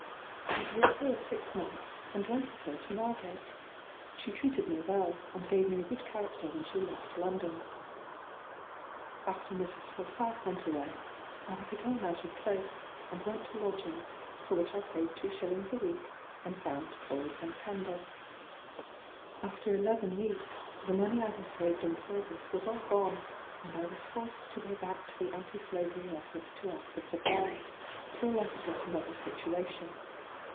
I was with her six months, and went with her to Margate. She treated me well, and gave me a good character when she left London. [Footnote 15: She refers to a written certificate which will be inserted afterwards.] After Mrs. Forsyth went away, I was again out of place, and went to lodgings, for which I paid two shillings a week, and found coals and candle. After eleven weeks, the money I had saved in service was all gone, and I was forced to go back to the Anti Slavery office to ask a supply, till I could get another situation.